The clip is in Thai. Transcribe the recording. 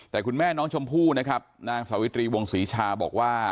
แต่คุณแม่น้องชมพู่นะครับนางสาวิตรีวงศรีชาบอกว่า